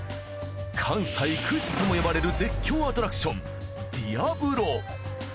関西屈指とも呼ばれる絶叫アトラクションディアブロ。